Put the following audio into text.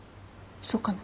そうかな？